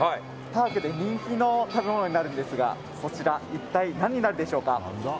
パークで人気の食べ物になるんですがそちらは一体何になるでしょうか。